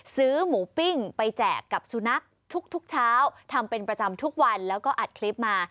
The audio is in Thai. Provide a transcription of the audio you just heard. ซื้อหมูปิ้งไปแจกกับสุนัขทุกเช้าทำเป็นประจำทุกวันแล้วก็อัดคลิปมา